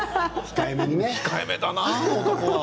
控えめだな男は。